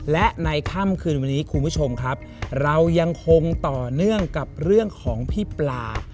และในค่ำคืนวันนี้คุณผู้ชมครับเรายังคงต่อเนื่องกับเรื่องของพี่ปลา